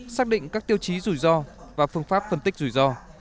xác định các tiêu chí rủi ro và phương pháp phân tích rủi ro